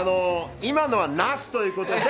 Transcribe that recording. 今のはなしということで。